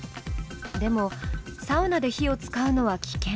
でもサウナで火を使うのは危険。